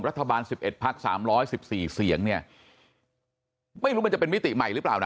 รัฐบาลสิบเอ็ดพักสามร้อยสิบสี่เสียงเนี่ยไม่รู้มันจะเป็นมิติใหม่หรือเปล่านะ